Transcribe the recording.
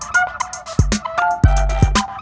kau mau kemana